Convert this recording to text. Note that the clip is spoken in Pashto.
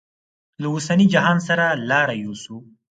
له اوسني جهان سره لاره یوسو.